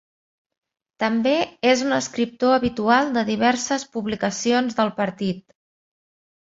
També és un escriptor habitual de diverses publicacions del partit.